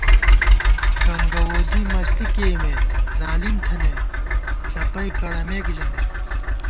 کنگہ وودی مستی کېئیمېت ظالم تھنَئیت ݪَپَئی کڑَمېک ژمېت